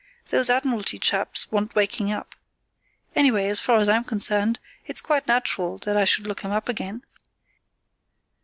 "Those Admiralty chaps want waking up. Anyway, as far as I'm concerned, it's quite natural that I should look him up again."